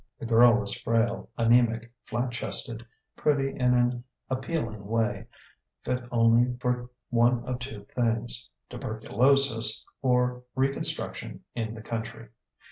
The girl was frail, anæmic, flat chested, pretty in an appealing way: fit only for one of two things, tuberculosis or reconstruction in the country.